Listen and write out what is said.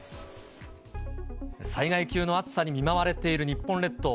災害級の暑さに見舞われている日本列島。